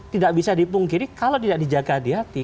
tidak bisa dipungkiri kalau tidak dijaga di hati